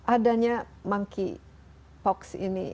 adanya monkeypox ini